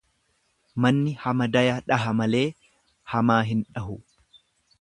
Manni hamadaya daha malee hamaa hin dahu.